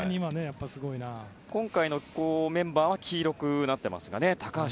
今回のメンバーは黄色くなっていますが高橋